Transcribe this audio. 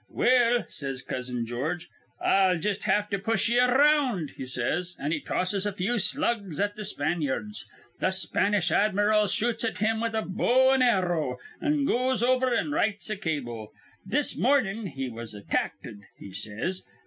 'Well,' says Cousin George, 'I'll just have to push ye ar round,' he says. An' he tosses a few slugs at th' Spanyards. Th' Spanish admiral shoots at him with a bow an' arrow, an' goes over an' writes a cable. 'This mornin' we was attackted,' he says.